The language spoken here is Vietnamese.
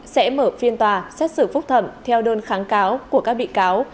sẽ mở phiên tòa xét xử phúc thẩm theo đơn kháng cáo của các bị cáo